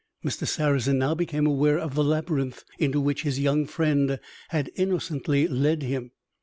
'" Mr. Sarrazin now became aware of the labyrinth into which his young friend had innocently led him.